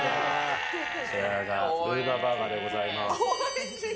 こちらがルーガーバーガーでございます。